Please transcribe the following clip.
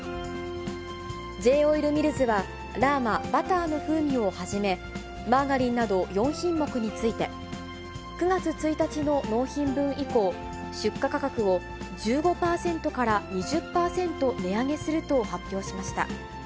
Ｊ−オイルミルズは、ラーマバターの風味をはじめ、マーガリンなど４品目について、９月１日の納品分以降、出荷価格を１５％から２０％値上げすると発表しました。